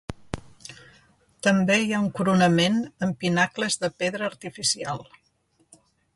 També hi ha un coronament amb pinacles de pedra artificial.